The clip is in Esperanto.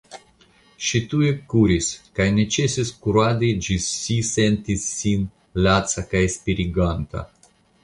Ŝi tuj ekkuris, kaj ne ĉesis kuradi ĝis ŝi sentis sin laca kaj spireganta.